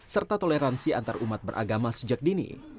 serta toleransi antarumat beragama sejak dini